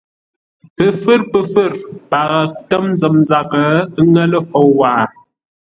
Pəfə̌r pəfə̌r, paghʼə tə́m nzəm zaghʼə ńŋə́ lə fou lâʼ waghʼə.